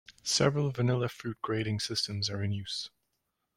Several vanilla fruit grading systems are in use.